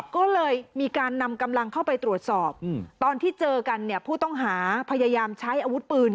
ก็เลยมีการนำกำลังเข้าไปตรวจสอบตอนที่เจอกันเนี่ยผู้ต้องหาพยายามใช้อาวุธปืน